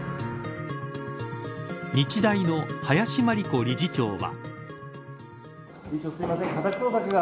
日大の林真理子理事長は。